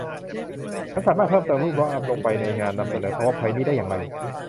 ฉันสามารถเพิ่มเติมรูปภาพลงไปในงานนำเสนอพาวเวอร์พ้อยนี้ได้อย่างไร